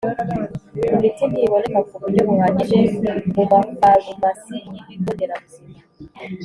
Imiti ntiboneka ku buryo buhagije mu mafarumasi y ibigo nderabuzima